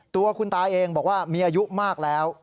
ตัวคุณตาเองบอกว่ามีอายุมากแล้ว